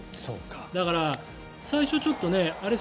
だから、最初ちょっとあれ？